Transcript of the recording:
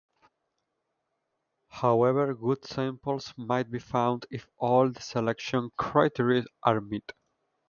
However, ""good samples"" might be found if all the selection criteria are met.